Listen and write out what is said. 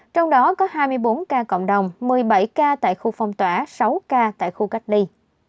trong đó có hai mươi bốn ca cộng đồng một mươi bảy ca tại khu phong tỏa sáu ca tại khu cách ly